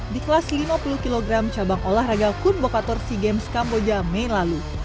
di kelas lima puluh kg cabang olahraga kun bokator sea games kamboja mei lalu